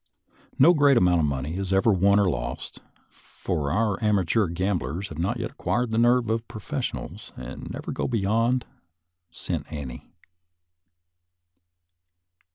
No great amount of money is ever won or lost, for our amateur gamblers have not yet acquired the nerve of professionals, and never go beyond " cent ante."